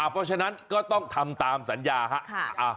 เพราะฉะนั้นก็ต้องทำตามสัญญาครับ